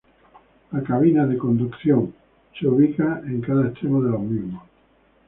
Las cabinas de conducción se ubican en cada extremo de los mismos.